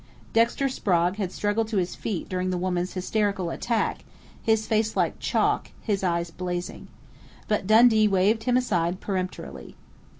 Dexter Sprague had struggled to his feet during the woman's hysterical attack, his face like chalk, his eyes blazing. But Dundee waved him aside peremptorily.